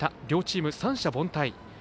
両チーム三者凡退。